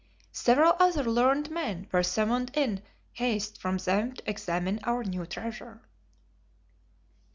Several other learned men were summoned in haste from them to examine our new treasure.